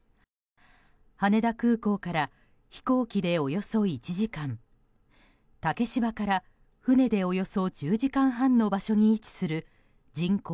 羽田空港から飛行機でおよそ１時間竹芝から船でおよそ１０時間半の場所に位置する人口